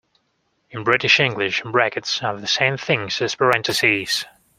In British English, brackets are the same things as parentheses